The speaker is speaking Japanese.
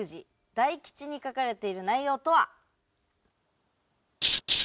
大吉に書かれている内容とは？